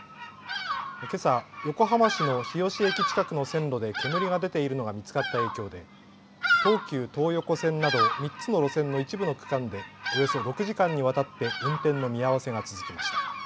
けさ横浜市の日吉駅近くの線路で煙が出ているのが見つかった影響で東急東横線など３つの路線の一部の区間でおよそ６時間にわたって運転の見合わせが続きました。